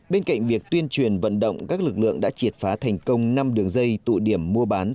bên cạnh việc tuyên truyền vận động các lực lượng đã triệt phá thành công năm đường dây tụ điểm mua bán